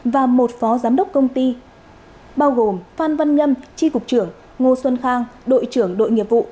và một phó giám đốc công ty bao gồm phan văn nhâm tri cục trưởng ngô xuân khang đội trưởng đội nghiệp vụ